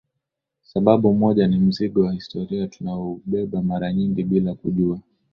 Sababu moja ni mzigo wa historia tunaoubeba mara nyingi bila kujua